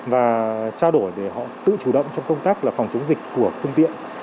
và trao đổi để họ tự chủ động trong công tác là phòng chống dịch của phương tiện